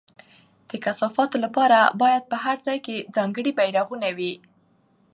د کثافاتو لپاره باید په هر ځای کې ځانګړي بېرغونه وي.